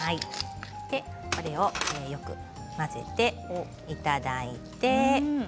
これを、よく混ぜていただいて。